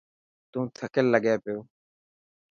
تون ٿڪيل لگي پيو.